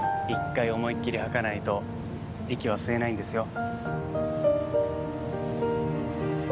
１回思いきり吐かないと息は吸えないですよ。